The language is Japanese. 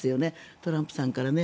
トランプさんからね。